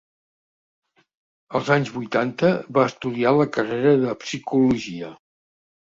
Els anys vuitanta va estudiar la carrera de Psicologia.